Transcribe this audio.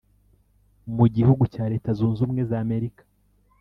Mu gihugu cya Leta Zunze Ubumwe z’Amerika